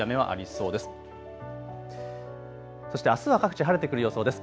そしてあすは各地、晴れてくる予想です。